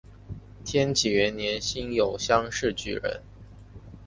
天启元年辛酉乡试举人。